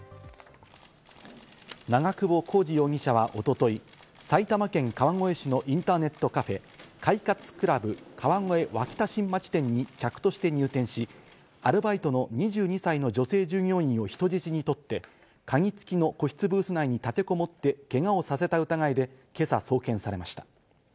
長久保浩二容疑者は一昨日、埼玉県川越市のインターネットカフェ快活ＣＬＵＢ川越脇田新町店に客として入店し、アルバイトの２２歳の女性従業員を人質にとって、鍵付きの個室ブース内に立てこもってけがをさせた疑いで今朝送検されました。